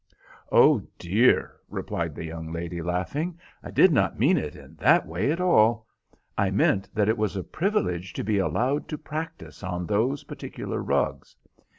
"Oh, dear," replied the young lady, laughing, "I did not mean it in that way at all. I meant that it was a privilege to be allowed to practise on those particular rugs.